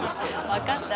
わかった。